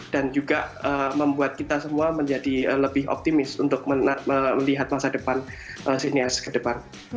dan juga membuat kita semua menjadi lebih optimis untuk melihat masa depan sinias ke depan